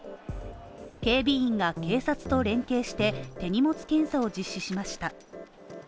警備員が警察と連携して手荷物検査を実施しました。